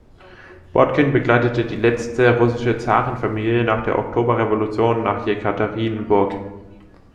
Botkin begleitete die letzte russische Zarenfamilie nach der Oktoberrevolution nach Jekaterinburg.